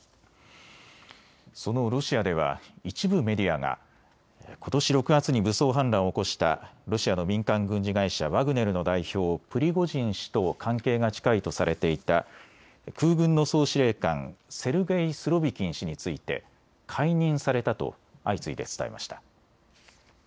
そのロシアでは一部メディアがことし６月に武装反乱を起こしたロシアの民間軍事会社、ワグネルの代表、プリゴジン氏と関係が近いとされていた空軍の総司令官、セルゲイ・スロビキン氏について解任されたと相次いで伝えました。